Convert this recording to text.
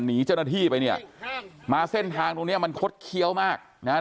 หนีเจ้าหน้าที่ไปเนี่ยมาเส้นทางตรงเนี้ยมันคดเคี้ยวมากนะฮะ